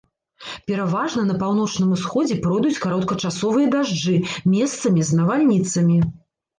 Пераважна на паўночным усходзе пройдуць кароткачасовыя дажджы, месцамі з навальніцамі.